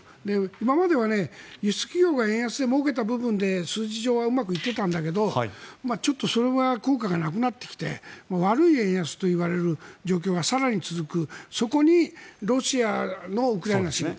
今までは輸出企業が円安でもうけた部分で数字上はうまくいっていたんだけどそれは効果がなくなってきて悪い円安といわれる状況が更に続く。